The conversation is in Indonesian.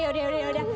yaudah yaudah yaudah